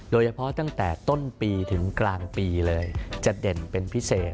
โดยเฉพาะตั้งแต่ต้นปีถึงกลางปีเลยจะเด่นเป็นพิเศษ